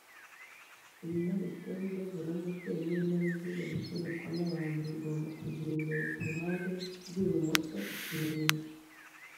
Ibinyamitende, velomoteri n'ibinyabiziga bisunikwa n'abantu bigomba kugira imbere ku ruhande rw'ibumoso, ikimenyetso.